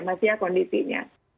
masih ya kondisinya